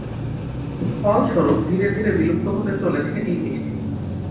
ফলস্বরূপ ধীরে ধীরে বিলুপ্ত হতে চলেছে এই মিষ্টি।